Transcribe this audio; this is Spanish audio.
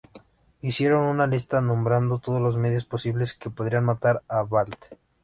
Hicieron una lista nombrando todos los medios posibles que podrían matar a Baldr.